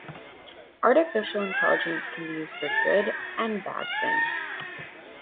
Artificial intelligence can be used for good and bad things.